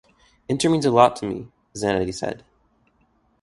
"Inter means a lot to me," Zanetti said.